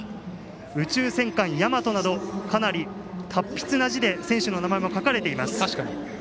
「宇宙戦艦ヤマト」など達筆な字で選手たちの名前も書かれています。